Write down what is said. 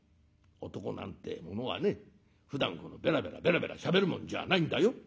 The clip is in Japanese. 男なんてえものはねふだんべらべらべらべらしゃべるもんじゃないんだよ。